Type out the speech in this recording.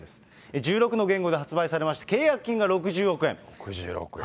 １６の言語で発売されまして、契約金が６０億円。